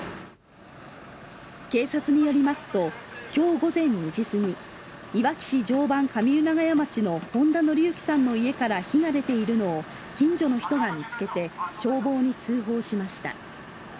警察によりますと今日午前２時過ぎいわき市常磐上湯長谷町の本田則行さんの家から火が出ているのを近所の人が見つけて消防に通報しました。